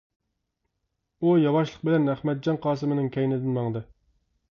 ئۇ ياۋاشلىق بىلەن ئەخمەتجان قاسىمىنىڭ كەينىدىن ماڭدى.